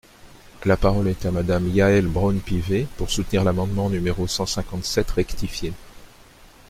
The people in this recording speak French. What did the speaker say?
La parole est à Madame Yaël Braun-Pivet, pour soutenir l’amendement numéro cent cinquante-sept rectifié.